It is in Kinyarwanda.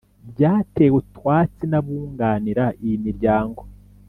byatewe utwatsi n’abunganira iyi miryango